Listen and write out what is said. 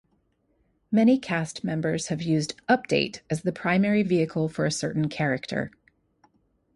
Many cast members have used "Update" as the primary vehicle for a certain character.